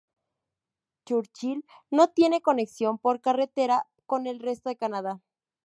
Churchill no tiene conexión por carretera con el resto de Canadá.